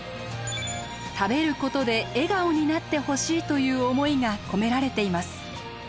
食べることで笑顔になってほしいという思いが込められています。